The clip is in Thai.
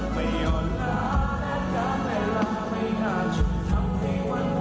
ไม่อ่อนหนาและการแม่ลาไม่อาจจะทำให้วันไหว